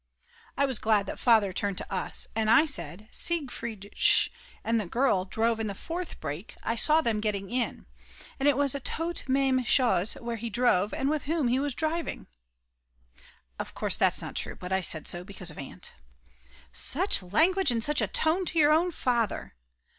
I was glad that Father turned to us, and I said: "Siegfried Sch. and the girl drove in the fourth break, I saw them getting in. And it was toute meme chause where he drove and with whom he was driving." (Of course that's not true, but I said it was because of Aunt.) "Such language and such a tone to your own Father!"